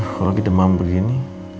aku lagi demam begini